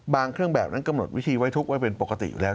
เครื่องแบบนั้นกำหนดวิธีไว้ทุกข์ไว้เป็นปกติอยู่แล้ว